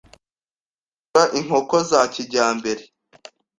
kugura inkoko za kijyambere